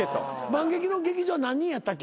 マンゲキの劇場何人やったっけ？